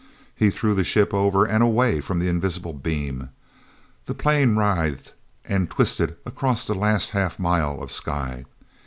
He threw the ship over and away from the invisible beam; the plane writhed and twisted across the last half mile of sky.